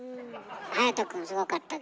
隼くんすごかったです。